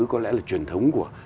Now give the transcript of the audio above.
có lẽ là truyền thống của